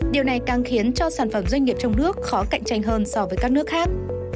điều này càng khiến cho sản phẩm doanh nghiệp trong nước khó cạnh tranh hơn so với các nước khác